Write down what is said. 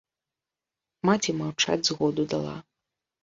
Маці маўчаць згоду дала.